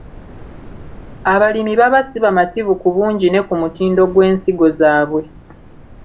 Abalimi baba sibamativu ku bungi ne ku mutindo gw’ensigo zaabwe.